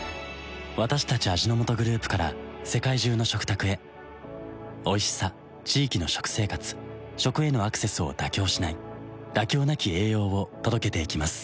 私たち味の素グループから世界中の食卓へおいしさ地域の食生活食へのアクセスを妥協しない「妥協なき栄養」を届けていきます